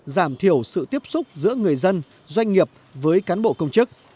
giảm thiểu sự tiếp xúc giữa người dân doanh nghiệp với cán bộ công chức